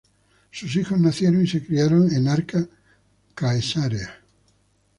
Sus hijos nacieron y se criaron en Arca Caesarea.